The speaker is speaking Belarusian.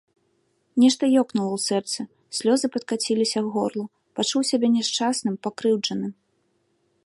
Нешта ёкнула ў сэрцы, слёзы падкаціліся к горлу, пачуў сябе няшчасным, пакрыўджаным.